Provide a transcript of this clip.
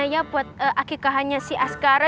nih liat dekorasinya ya buat akikahannya si askara